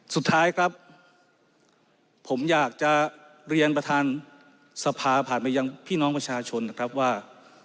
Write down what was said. สุดท้ายครับผมอยากจะเรียนประธานสภาผ่านไปยังพี่น้องประชาชนนะครับว่า